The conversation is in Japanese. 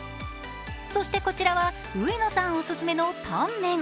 そして、こちらは上野さんお勧めのタンメン。